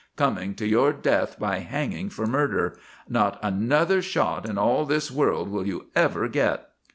Coming to your death by hanging for murder! _Not another shot in all this world will you ever get!